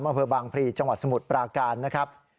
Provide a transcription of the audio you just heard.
อำเภอบางพลีจังหวัดสมุทรปราการนะครับ